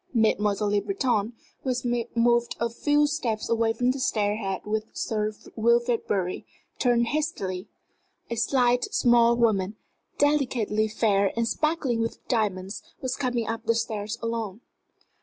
Mademoiselle Le Breton, who had moved a few steps away from the stair head with Sir Wilfrid Bury, turned hastily. A slight, small woman, delicately fair and sparkling with diamonds, was coming up the stairs alone.